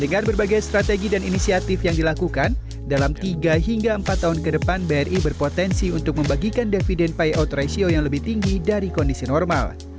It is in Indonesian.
dengan berbagai strategi dan inisiatif yang dilakukan dalam tiga hingga empat tahun ke depan bri berpotensi untuk membagikan dividend pyout ratio yang lebih tinggi dari kondisi normal